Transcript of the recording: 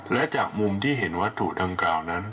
และจากมุมที่เห็นวัตถุดังกล่าวนั้น